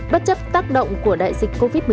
bất chấp tác động của đại dịch covid